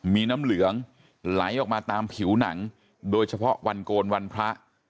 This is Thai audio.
มีน้ำเหลืองไหลออกมาตามผิวหนังโดยเฉพาะวันโกนวันพระ